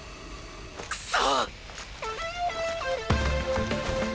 クソ